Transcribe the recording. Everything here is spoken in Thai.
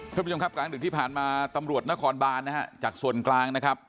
คุณผู้ชมครับกลางดึกที่ผ่านมาตำรวจนครบานนะฮะจากส่วนกลางนะครับ